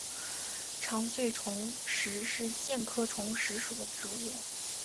长穗虫实是苋科虫实属的植物。